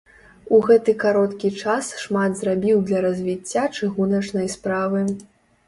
У гэты кароткі час шмат зрабіў для развіцця чыгуначнай справы.